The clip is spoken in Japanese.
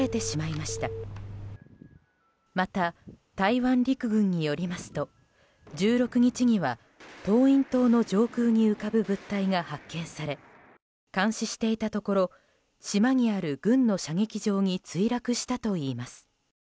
また、台湾陸軍によりますと１６日には東引島の上空に浮かぶ物体が発見され監視していたところ島にある軍の射撃場に墜落したといいます。